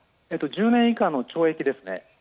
１０年以下の懲役ですね。